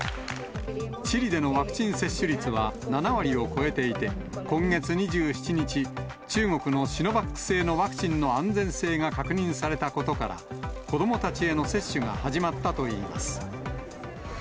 チリでのワクチン接種率は７割を超えていて、今月２７日、中国のシノバック製のワクチンの安全性が確認されたことから、子どもたちへの接種が始まったといいます。